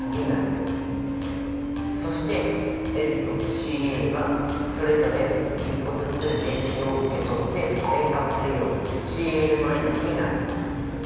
そして塩素Ｃｌがそれぞれ１個ずつ電子を受け取って塩化物イオンＣｌになる。